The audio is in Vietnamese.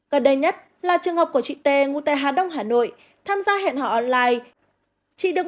gần đây nhất là trường hợp của chị t ngũ tại hà đông hà nội tham gia hẹn hò online chị được